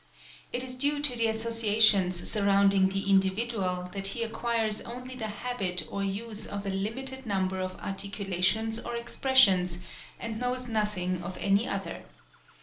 It is due to the associations surrounding the individual that he acquires only the habit or use of a limited number of articula tions or expressions, and knows nothing of any other.